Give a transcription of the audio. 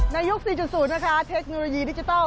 ยุค๔๐นะคะเทคโนโลยีดิจิทัล